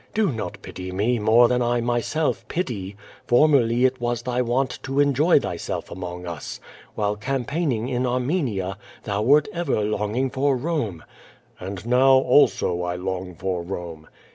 "Do not pity me more than 1 myself pity. Formerly it was thy wont to enjoy thyself among us. While campaigning in Armenia, they wert ever longing for Rome." "And now, also, I long for Rome."